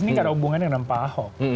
ini karena hubungannya dengan pak ahok